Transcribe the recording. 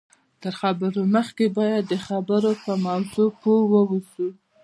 تر خبرو مخکې باید د خبرو په موضوع پوه واوسئ